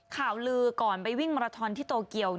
ข่าวลือก่อนไปวิ่งมาราทอนที่โตเกียว